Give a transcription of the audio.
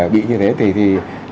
bị như thế thì